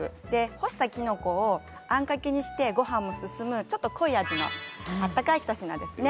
干したきのこをあんかけにしてごはんも進むちょっと濃い味の温かい一品ですね。